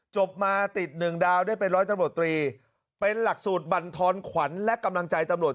จบมาติดหนึ่งดาวได้เป็นร้อยตำรวจตรีเป็นหลักสูตรบรรทอนขวัญและกำลังใจตำรวจ